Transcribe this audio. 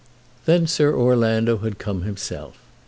Then Sir Orlando had come himself.